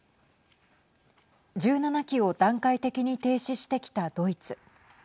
１７基を段階的に停止してきたドイツ。